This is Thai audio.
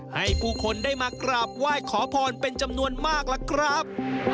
ให้ผู้คนได้มากราบไหว้ขอพรเป็นจำนวนมากล่ะครับ